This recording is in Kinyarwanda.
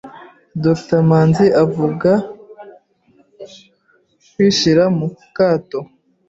Dr Manzi avuga kwishyira mu kato